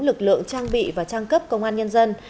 lực lượng trang bị và trang cấp công an nhân dân